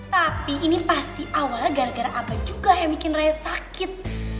tapi ini pasti awal gara gara apa juga yang bikin raya sakit